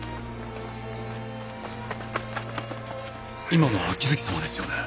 今のは秋月様ですよね。